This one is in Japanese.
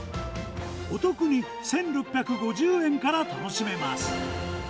お得に１６５０円から楽しめます。